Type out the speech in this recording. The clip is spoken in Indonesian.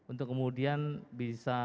untuk kemudian bisa